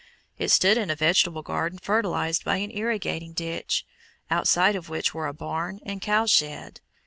It stood in a vegetable garden fertilized by an irrigating ditch, outside of which were a barn and cowshed.